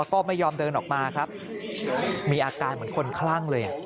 แล้วก็ไม่ยอมเดินออกมาครับมีอาการเหมือนคนคลั่งเลย